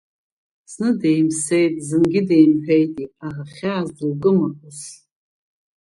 Зны деимсеит, зынгьы деимҳәеитеи, аха хьаас дылкыма ус?!